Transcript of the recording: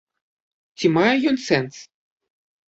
Ці мае ён сэнс?